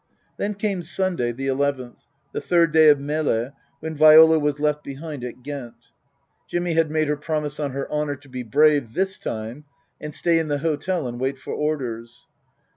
Then came Sunday, the eleventh, the third day of Melle, when Viola was left behind at Ghent. Jimmy had made her promise on her honour to be brave, this time, and stay in the hotel and wait for orders.